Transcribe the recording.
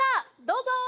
どうぞ。